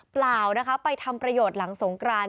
เปล่านะคะไปทำประโยชน์หลังสงกราน